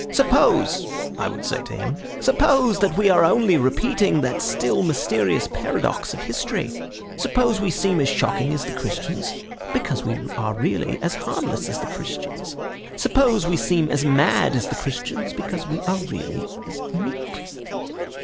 Suppose' (I would say to him), 'suppose that we are only repeating that still mysterious paradox of history. Suppose we seem as shocking as the Christians because we are really as harmless as the Christians. Suppose we seem as mad as the Christians because we are really as meek."